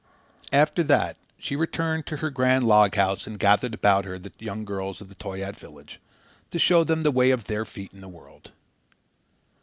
After that she returned to her grand log house and gathered about her the young girls of the Toyaat village, to show them the way of their feet in the world.